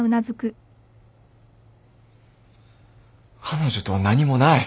彼女とは何もない。